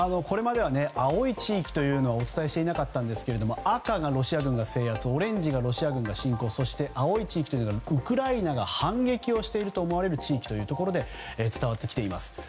これまでは青い地域というのはお伝えしていなかったんですが赤がロシア軍が制圧オレンジがロシア軍が侵攻そして青が、ウクライナが反撃をしていると思われる地域というところで伝わってきています。